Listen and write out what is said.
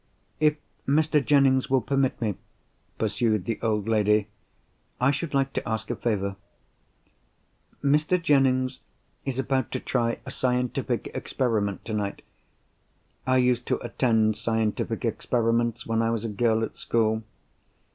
"If Mr. Jennings will permit me," pursued the old lady, "I should like to ask a favour. Mr. Jennings is about to try a scientific experiment tonight. I used to attend scientific experiments when I was a girl at school.